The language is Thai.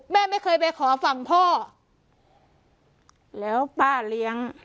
แม่ไม่เคยไปขอฝั่งพ่อแล้วป้าเลี้ยง